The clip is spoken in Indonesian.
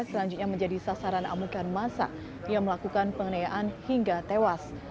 selanjutnya menjadi sasaran amukan masa yang melakukan pengenayaan hingga tewas